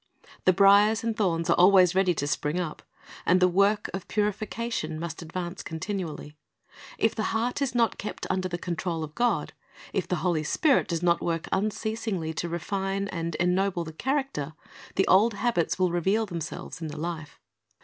The briers and thorns are always ready to spring up, and the work of purification must advance continually. If the heart is not kept under the control of God, if the Holy Spirit does not work unceasingly to refine and ennoble the character, the old habits will reveal themselves in the life.